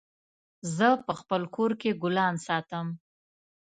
زه په خپل کور کي ګلان ساتم